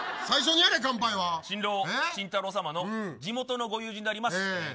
新郎、晋太郎さまの地元のご友人であります。